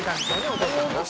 お父さん。